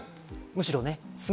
むしろね。